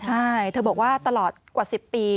ใช่เธอบอกว่าตลอดกว่า๑๐ปี